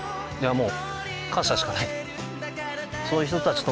もう。